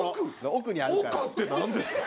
奥ってなんですか？